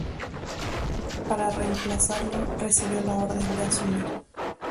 Para reemplazarlo, recibió la orden de asumir.